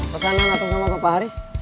pesanan apa sama pak haris